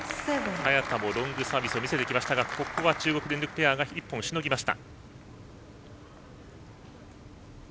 早田もロングサービスを見せてきましたがここは中国電力ペアが１本、しのぎました。